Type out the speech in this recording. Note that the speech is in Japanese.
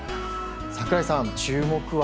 櫻井さん、注目は？